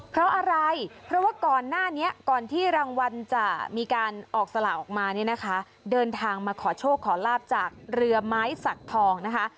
เพราะอะไรเพราะว่าก่อนหน้านี้ก่อนที่รางวัลจะมีการออกสลากออกมาเนี่ยนะคะเดินทางมาขอโชคขอลาบจากเรือไม้สักทองนะคะ